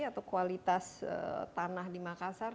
atau kualitas tanah di makassar